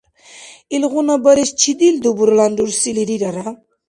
Илгъуна барес чидил дубурлан рурсили рирара?